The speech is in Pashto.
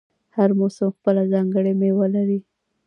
هر موسم خپله ځانګړې میوه لري.